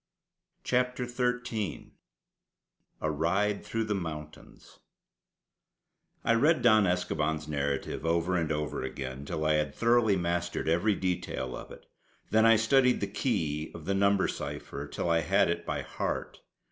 CHAPTER XIII A RIDE THROUGH THE MOUNTAINS I read Don Escoban's narrative over and over again, till I had thoroughly mastered every detail of it; then I studied the key of the number cipher till I had it by heart.